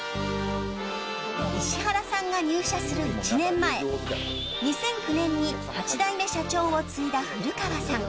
石原さんが入社する１年前２００９年に８代目社長を継いだ古川さん